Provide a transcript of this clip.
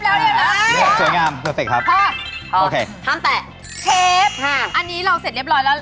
อันนี้เราเสร็จเรียบร้อยแล้วขั้นตอนต่อไปทำอะไรต่อ